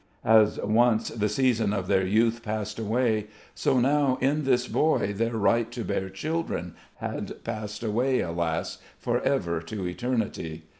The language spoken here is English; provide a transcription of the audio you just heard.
As once the season of their youth passed away, so now in this boy their right to bear children had passed away, alas! for ever to eternity.